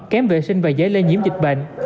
kém vệ sinh và giấy lây nhiễm dịch bệnh